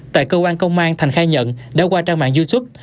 tại cơ quan công an thành khai nhận đã qua trang mạng youtube